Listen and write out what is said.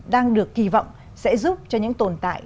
đang được kỳ vọng sẽ giúp cho những tồn tại